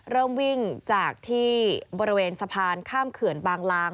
เริ่มวิ่งจากที่บริเวณสะพานข้ามเขื่อนบางลาง